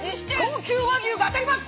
高級和牛が当たります！